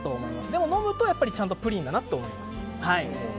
でも飲むとちゃんとプリンだなと思いますね。